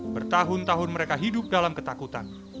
bertahun tahun mereka hidup dalam ketakutan